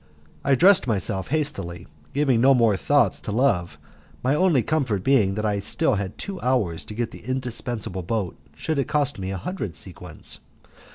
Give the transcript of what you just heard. I dressed myself hastily, giving no more thoughts to love, my only comfort being that I had still two hours to get the indispensable boat, should it cost me a hundred sequins.